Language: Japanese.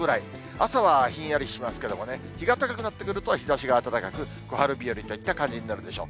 朝はひんやりしますけどもね、日が高くなってくると、日ざしが暖かく、小春日和といった感じになるでしょう。